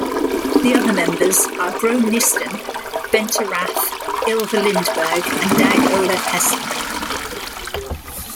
The other members are Gro Nystuen, Bente Rathe, Ylva Lindberg and Dag Olav Hessen.